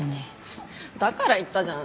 だから言ったじゃん。